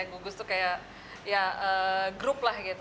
gugus itu kayak grup